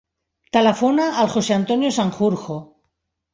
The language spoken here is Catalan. Telefona al José antonio Sanjurjo.